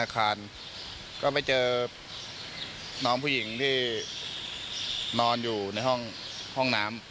ก็ไปเจอน้องผู้หญิงที่นอนอยู่ในห้องน้ำ